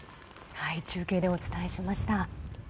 中継でお伝えしました。